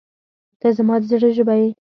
• ته زما د زړه ژبه یې.